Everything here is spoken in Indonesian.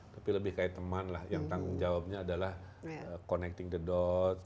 tapi lebih kayak teman lah yang tanggung jawabnya adalah connecting the dot